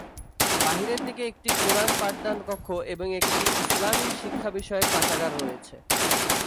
বাহিরের দিকে একটি কোরান পাঠদান কক্ষ এবং একটি ইসলামি শিক্ষা বিষয়ক পাঠাগার রয়েছে।